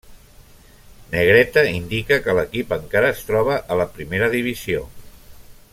Negreta indica que l'equip encara es troba a la primera divisió.